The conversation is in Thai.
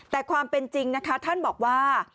แต่ความเป็นจริงนะคะท่านบอกว่า